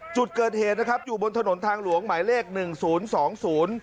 จุดเกิดเหตุนะครับอยู่บนถนนทางหลวงหมายเลขหนึ่งศูนย์สองศูนย์